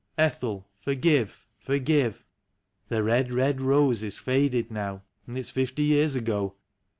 Ethel, for give, forgive! The red, red rose is faded now, and it's fifty years ago.